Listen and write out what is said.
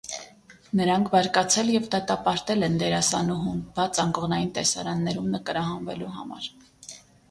Նրանք բարկացել և դատապարտել են դերասանուհուն, բաց անկողնային տեսարաններում նկարահանվելու համար։